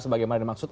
sebagai mana dimaksud